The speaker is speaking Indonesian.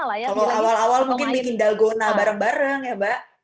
kalau awal awal mungkin bikin dalgona bareng bareng ya mbak